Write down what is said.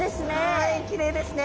はいきれいですね